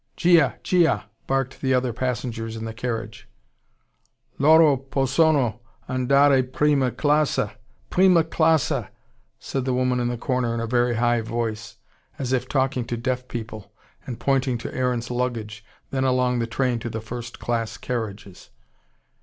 "Gia! Gia!" barked the other passengers in the carriage. "Loro possono andare prima classa PRIMA CLASSA!" said the woman in the corner, in a very high voice, as if talking to deaf people, and pointing to Aaron's luggage, then along the train to the first class carriages.